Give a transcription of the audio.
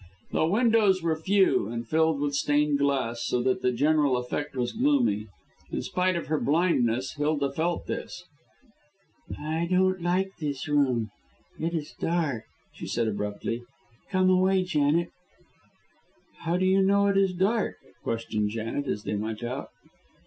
The windows were few and filled with stained glass, so that the general effect was gloomy. In spite of her blindness, Hilda felt this. "I don't like this room, it is dark," she said abruptly. "Come away, Janet." "How do you know it is dark?" questioned Janet, as they went out.